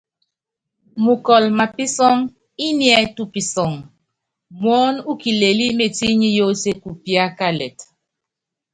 Mukɔl mapísɔ́ŋ íniɛ tupisɔŋ, muɔ́n u kilelí metinyí yóotie kupíákalet.